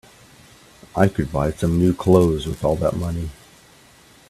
I could buy some new clothes with all that money.